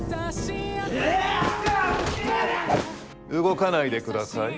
動かないで下さい。